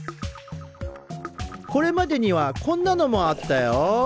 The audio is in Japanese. これまでにはこんなのもあったよ。